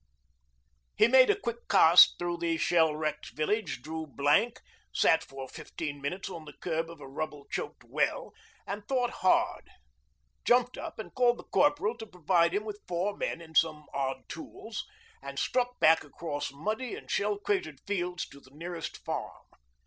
He made a quick cast through the shell wrecked village, drew blank, sat for fifteen minutes on the curb of a rubble choked well and thought hard, jumped up and called the Corporal to provide him with four men and some odd tools, and struck back across muddy and shell cratered fields to the nearest farm.